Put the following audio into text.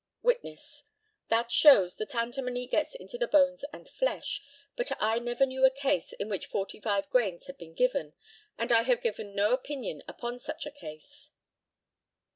Witness: That shows that antimony gets into the bones and flesh, but I never knew a case in which forty five grains had been given, and I have given no opinion upon such a case.